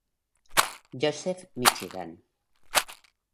Joseph, Michigan.